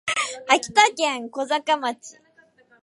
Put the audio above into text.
秋田県小坂町